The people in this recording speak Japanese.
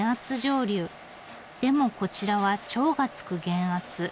でもこちらは超がつく減圧。